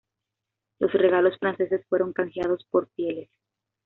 Los regalos franceses fueron canjeados por pieles.